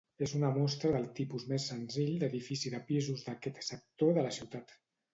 És una mostra del tipus més senzill d'edifici de pisos d'aquest sector de la ciutat.